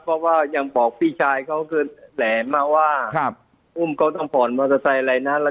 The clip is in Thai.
เพราะว่ายังบอกพี่ชายเขาคือแหลมมาว่าอุ้มเขาต้องผ่อนมอเตอร์ไซค์อะไรนะ